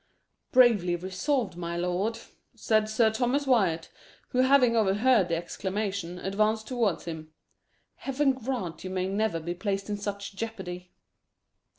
"Bravely resolved, my lord," said Sir Thomas Wyat, who, having overheard the exclamation, advanced towards him. "Heaven grant you may never be placed in such jeopardy!"